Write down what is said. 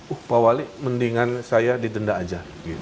uh pak wali mendingan saya didenda aja